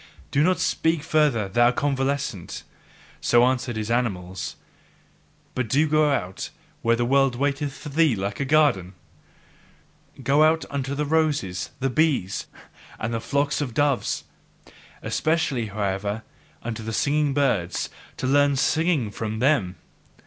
"Do not speak further, thou convalescent!" so answered his animals, "but go out where the world waiteth for thee like a garden. Go out unto the roses, the bees, and the flocks of doves! Especially, however, unto the singing birds, to learn SINGING from them!